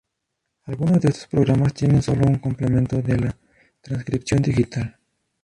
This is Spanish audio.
Algunos de estos programas tienen sólo un complemento de la transcripción digital.